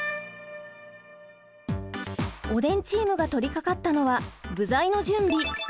おでんチームが取りかかったのは具材の準備。